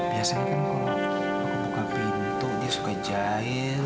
biasanya kan kalau aku buka pintu dia suka jahil